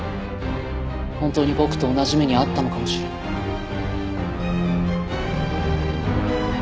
本当に僕と同じ目に遭ったのかもしれない。